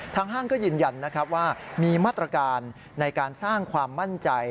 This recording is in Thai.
ห้างก็ยืนยันนะครับว่ามีมาตรการในการสร้างความมั่นใจ